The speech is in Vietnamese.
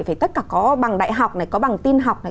phải tất cả có bằng đại học này có bằng tin học này